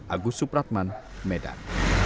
agus supratman medan